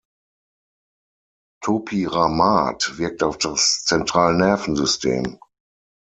Topiramat wirkt auf das Zentralnervensystem.